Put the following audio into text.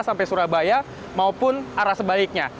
sampai surabaya maupun arah sebaliknya